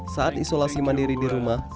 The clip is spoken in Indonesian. saat isolasi mandiri di rumah